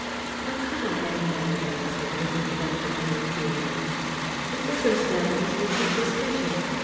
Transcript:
"How could I?" Aunt Emma answered, looking back at me appealingly. "The circumstances were too suspicious.